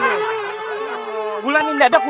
tempat yang energi